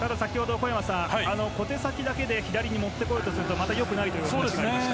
小手先だけで左に持って来ようとするとまた良くないというお話がありました。